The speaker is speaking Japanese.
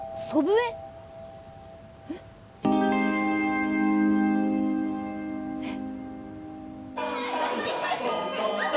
えっえっ？